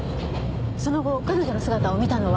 その後彼女の姿を見たのは？